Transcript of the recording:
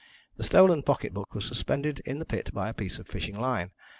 The stolen pocket book was suspended in the pit by a piece of fishing line.